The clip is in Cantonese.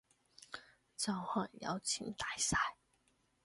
就係有錢大晒